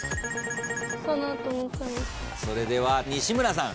それでは西村さん